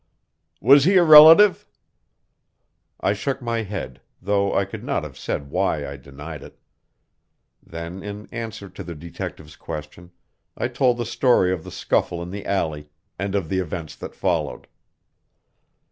"Was he a relative?" I shook my head, though I could not have said why I denied it. Then, in answer to the detective's question, I told the story of the scuffle in the alley, and of the events that followed.